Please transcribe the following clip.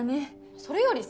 それよりさ